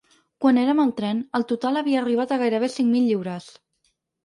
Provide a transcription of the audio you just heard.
Quan érem al tren, el total havia arribat a gairebé cinc mil lliures.